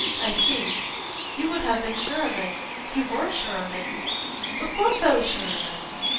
"I see. You would have been sure of it. You WERE sure of it." "Of course I was sure of it."